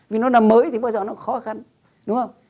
vì nó nằm mới thì bao giờ nó khó khăn đúng không